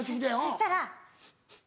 そしたら。